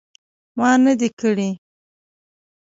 ما نه دي کړي